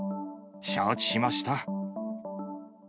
承知しました。